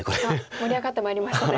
盛り上がってまいりましたね